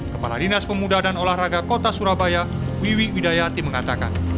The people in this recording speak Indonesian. kepala dinas pemuda dan olahraga kota surabaya wiwi widayati mengatakan